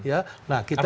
ya nah kita ini